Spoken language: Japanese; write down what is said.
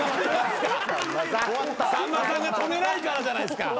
さんまさんが止めないからじゃないですか。